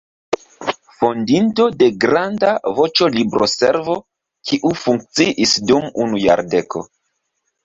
Fondinto de granda "Voĉo-Libroservo" kiu funkciis dum unu jardeko.